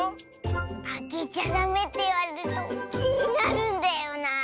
あけちゃダメっていわれるときになるんだよなあ。